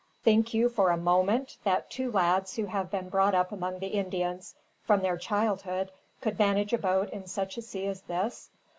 Think you, for a moment, that two lads who have been brought up among the Indians, from their childhood, could manage a boat in such a sea as this?